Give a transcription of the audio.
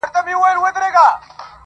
• حق لرمه والوزم اسمان ته الوته لرم..